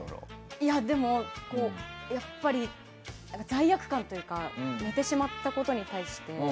でも、やっぱり罪悪感というか寝てしまったことに対して。